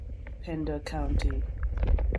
It is the county seat of Pender County.